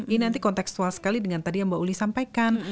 ini nanti konteksual sekali dengan tadi yang mbak uli sampaikan